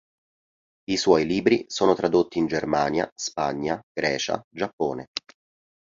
I suoi libri sono tradotti in Germania, Spagna, Grecia, Giappone.